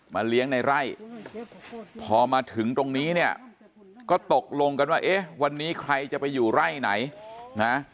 เลี้ยงในไร่พอมาถึงตรงนี้เนี่ยก็ตกลงกันว่าเอ๊ะวันนี้ใครจะไปอยู่ไร่ไหนนะ